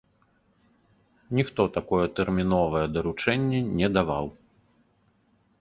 Ніхто такое тэрміновае даручэнне не даваў.